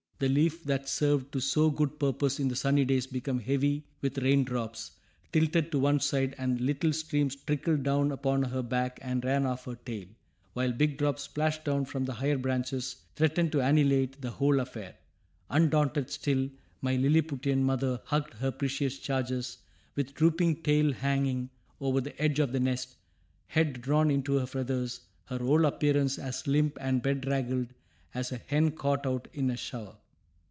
The leaf that served to so good purpose in the sunny days became heavy with raindrops, tilted to one side, and little streams trickled down upon her back and ran off her tail, while big drops splashing down from the higher branches threatened to annihilate the whole affair. Undaunted still, my Lilliputian mother hugged her precious charges, with drooping tail hanging over the edge of the nest, head drawn into her feathers, her whole appearance as limp and bedraggled as a hen caught out in a shower.